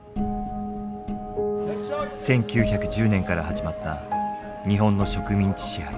１９１０年から始まった日本の植民地支配。